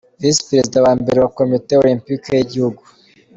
Visi Perezida wa mbere wa komite Olempike y’igihugu.